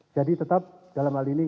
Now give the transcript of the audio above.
jadi tetap dalam hal ini